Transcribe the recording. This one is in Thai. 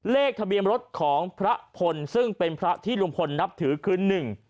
เลขทะเบียนรถของพระพลซึ่งเป็นพระที่ลุงพลนับถือคือหนึ่ง